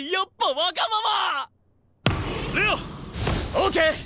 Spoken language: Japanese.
オーケー！